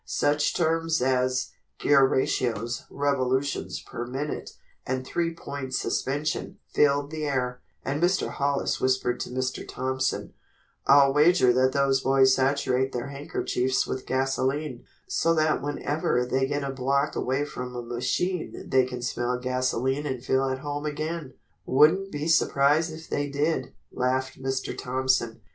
Such terms as "gear ratios," "revolutions per minute" and "three point suspension" filled the air, and Mr. Hollis whispered to Mr. Thompson: "I'll wager that those boys saturate their handkerchiefs with gasoline, so that whenever they get a block away from a machine they can smell gasoline and feel at home again." "Wouldn't be surprised if they did," laughed Mr. Thompson.